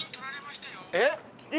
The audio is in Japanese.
えっ？